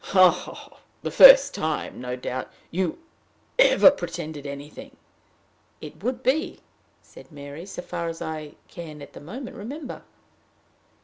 "Ha! ha! The first time, no doubt, you ever pretended anything!" "It would be," said Mary, "so far as I can, at the moment, remember."